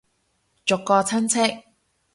逐個親戚